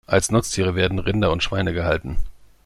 Als Nutztiere werden Rinder und Schweine gehalten.